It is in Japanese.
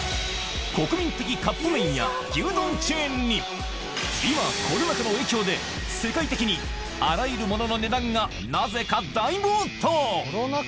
国民的カップ麺や牛丼チェーンに、今、コロナ禍の影響で、世界的にあらゆるものの値段がなぜか大暴騰。